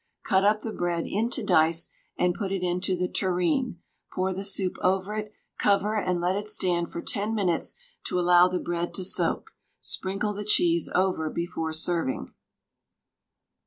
Cut up the bread into dice, and put it into the tureen, pour the soup over it, cover, and let it stand for 10 minutes to allow the bread to soak; sprinkle the cheese over before serving.